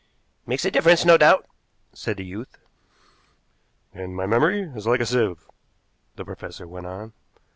"Makes a difference, no doubt," said the youth. "And my memory is like a sieve," the professor went on.